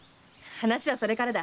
話はそれからだ。